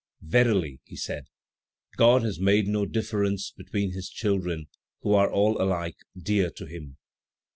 "Verily," he said, "God has made no difference between his children, who are all alike dear to Him."